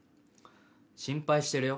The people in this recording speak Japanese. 心配してるよ